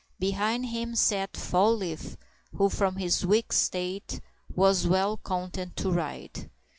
Behind him sat Fall leaf, who, from his weak state, was well content to ride.